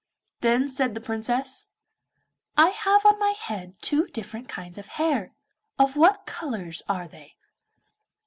Then said the Princess, 'I have on my head two different kinds of hair. Of what colours are they?